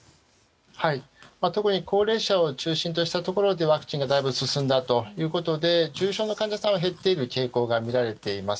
特に高齢者を中心としたところでワクチンがだいぶ進んだということで重症の患者さんが減っている傾向は見られています。